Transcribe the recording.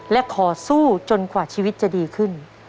และขอสู้จนกว่าชีวิตจะดีขึ้น